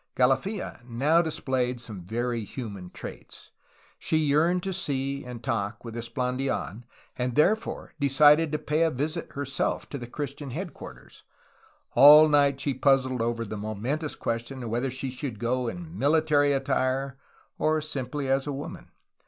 Calafia now displayed some very human traits. She yearned to see and talk with Esplandidn, and therefore de cided to pay a visit herself to the Christian headquarters. All night she puzzled over the momentous question whether she should go in military attire or simply as a woman.